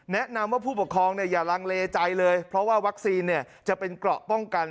แนะนำว่าผู้ปกครองอย่าลังเลใจเลยเพราะว่าวัคซีนจะเป็นเกราะป้องกัน